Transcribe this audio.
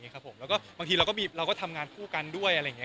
ก็พึ่งไปถ่ายกันมาของพี่ลิดเดีย